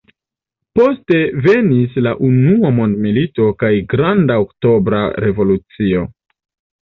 Poste venis la unua mondmilito kaj Granda Oktobra Revolucio.